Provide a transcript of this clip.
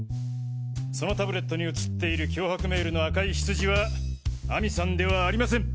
そのタブレットに映っている脅迫メールの赤いヒツジは亜美さんではありません。